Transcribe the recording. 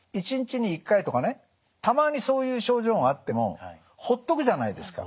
たまにそういう症状があってもほっとくじゃないですか。